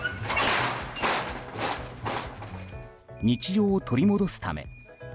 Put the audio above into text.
日常を取り戻すため。